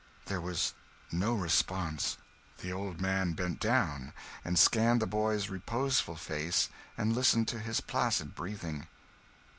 There was no response. The old man bent down and scanned the boy's reposeful face and listened to his placid breathing.